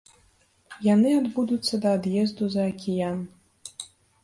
Яны адбудуцца да ад'езду за акіян.